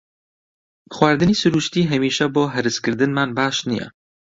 خواردنی سروشتی هەمیشە بۆ هەرسکردنمان باش نییە.